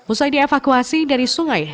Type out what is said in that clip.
usai dievakuasi dari sungai